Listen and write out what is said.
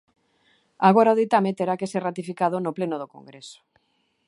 Agora o ditame terá que ser ratificado no pleno do Congreso.